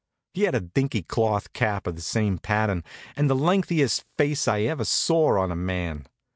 He had a dinky cloth cap of the same pattern, and the lengthiest face I ever saw on a man.